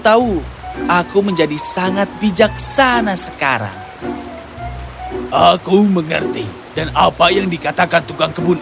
tahu aku menjadi sangat bijaksana sekarang aku mengerti dan apa yang dikatakan tukang kebun